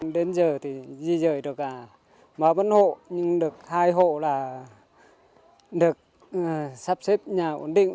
đến giờ thì di rời được cả ba bốn hộ nhưng được hai hộ là được sắp xếp nhà ổn định